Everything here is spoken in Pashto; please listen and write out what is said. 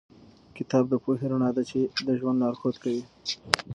کتاب د پوهې رڼا ده چې د ژوند لارښود کوي.